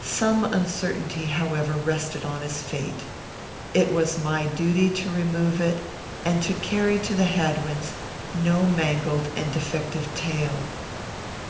Some uncertainty, however, rested on his fate. It was my duty to remove it, and to carry to the Hadwins no mangled and defective tale.